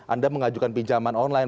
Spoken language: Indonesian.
anda mengajukan pinjaman online